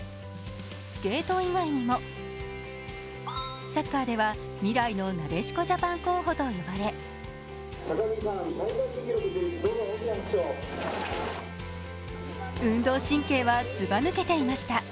スケート以外にもサッカーでは未来のなでしこジャパン候補と呼ばれ運動神経はずば抜けていました。